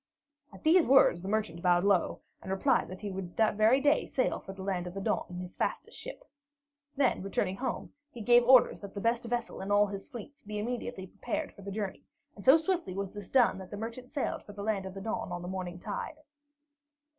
At these words the merchant bowed low, and replied that he would that very day sail for the Land of the Dawn in his fastest ship. Then, returning home, he gave orders that the best vessel in all his fleets be immediately prepared for the journey; and so swiftly was this done, that the merchant sailed for the Land of the Dawn on the morning tide.